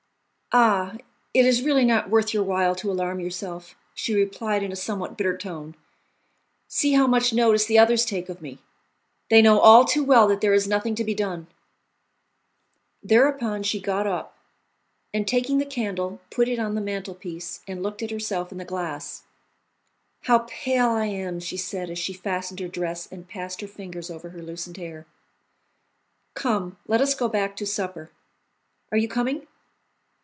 "Ah! it is really not worth your while to alarm yourself," she replied in a somewhat bitter tone; "see how much notice the others take of me! They know too well that there is nothing to be done." Thereupon she got up, and, taking the candle, put it on the mantel piece and looked at herself in the glass. "How pale I am!" she said, as she fastened her dress and passed her fingers over her loosened hair. "Come, let us go back to supper. Are you coming?"